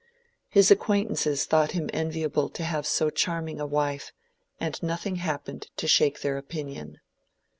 His acquaintances thought him enviable to have so charming a wife, and nothing happened to shake their opinion.